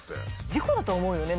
事故だと思うよね。